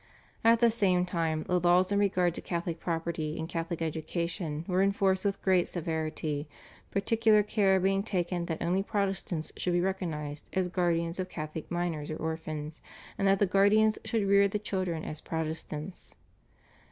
At the same time the laws in regard to Catholic property, and Catholic education were enforced with great severity, particular care being taken that only Protestants should be recognised as guardians of Catholic minors or orphans, and that the guardians should rear the children as Protestants.